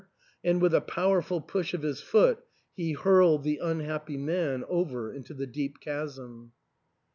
*' and with a powerful push of his foot he hurled the unhappy man over into the deep chasm.